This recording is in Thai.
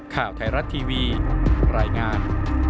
ข่าวไทยรัฐทีวีรายงาน